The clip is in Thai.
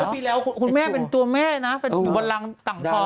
ปีแล้วคุณแม่เป็นตัวแม่นะอยู่บนรังต่างพอ